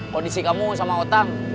kondisi kamu sama otang